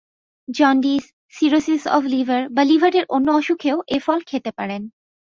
Jaundice, cirrhosis of liver বা লিভারের অন্য অসুখেও এ ফল খেতে পারেন।